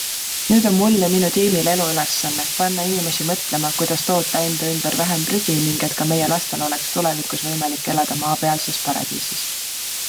Nüüd on mul ja minu tiimil elu ülesanne, panna inimesi mõtlema, kuidas toota enda ümber vähem prügi ning et ka meie lastel oleks tulevikus võimalik elada maapealses paradiisis.